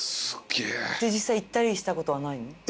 実際行ったりしたことはないの？